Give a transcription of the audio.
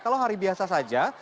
kalau hari biasa saja